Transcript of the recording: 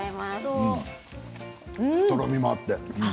とろみもあって。